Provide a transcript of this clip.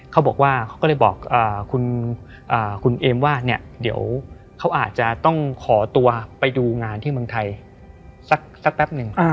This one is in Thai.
เขาบอกว่าเขาก็เลยบอกคุณเอมว่าเนี่ยเดี๋ยวเขาอาจจะต้องขอตัวไปดูงานที่เมืองไทยสักแป๊บหนึ่ง